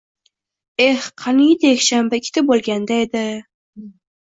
Eh, qaniydi yakshanba ikkita bo‘lganda edi.